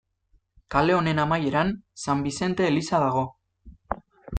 Kale honen amaieran San Bizente eliza dago.